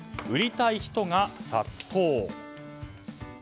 売りたい人が殺到。